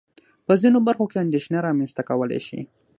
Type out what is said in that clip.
په ځينو برخو کې اندېښنه رامنځته کولای شي.